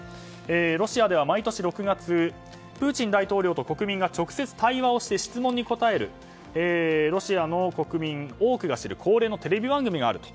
ロシアでは、毎年６月プーチン大統領と国民が直接対話して質問に答えるロシアの国民の多くが知る恒例のテレビ番組があると。